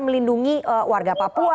melindungi warga papua